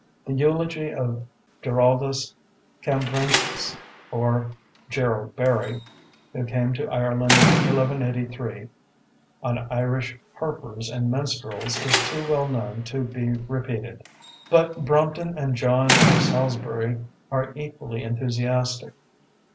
The eulogy of Giraldus Cambrensis, or Gerald Barry, who came to Ireland in 1183, on Irish harpers and minstrels is too well known to be repeated, but Brompton and John of Salisbury are equally enthusiastic.